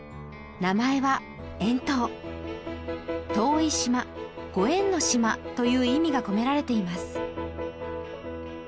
名前は遠い島ご縁の島という意味が込められています